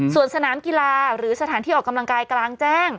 ส่วนสนามกีฬาหรือสถานที่ออกกำลังกายกลางแจ้ง